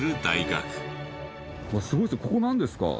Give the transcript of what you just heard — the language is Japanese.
すごいですね。